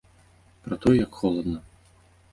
Пра тое, як холадна.